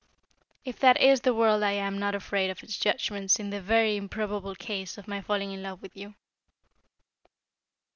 If that is the world I am not afraid of its judgments in the very improbable case of my falling in love with you."